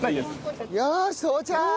よーし到着！